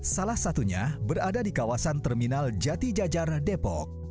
salah satunya berada di kawasan terminal jati jajar depok